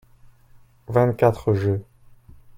Vingt-quatre jeux.